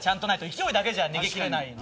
勢いだけじゃ逃げ切れないので。